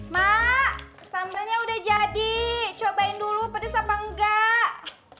mak sambelnya udah jadi cobain dulu pedes apa enggak